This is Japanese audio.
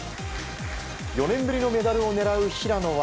４年ぶりのメダルを狙う平野は。